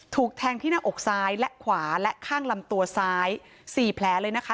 ถูกแทงที่หน้าอกซ้ายและขวาและข้างลำตัวซ้าย๔แผลเลยนะคะ